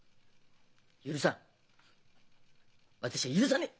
許さん私は許さねえ！